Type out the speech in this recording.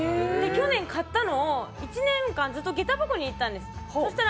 去年、買ったのを１年間、下駄箱に入れてたんです。